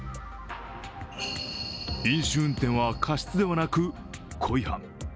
飲酒運転は過失ではなく、故意犯。